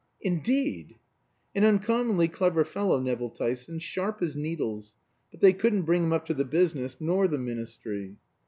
"Indeed." "An uncommonly clever fellow, Nevill Tyson; sharp as needles. But they couldn't bring him up to the business, nor the ministry."